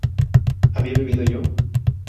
¿había bebido yo?